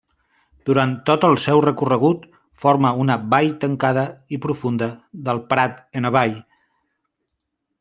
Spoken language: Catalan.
Durant tot el seu recorregut forma una vall tancada i profunda del Prat en avall.